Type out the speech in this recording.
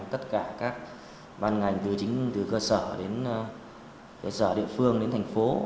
tất cả các ban ngành từ chính từ cơ sở đến cơ sở địa phương đến thành phố